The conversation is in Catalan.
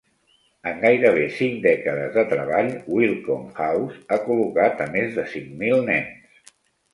En gairebé cinc dècades de treball, Welcome House ha col·locat a més de cinc mil nens.